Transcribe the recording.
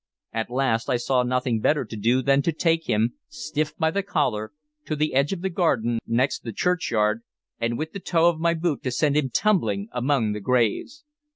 At last I saw nothing better to do than to take him, still by the collar, to the edge of the garden next the churchyard, and with the toe of my boot to send him tumbling among the graves.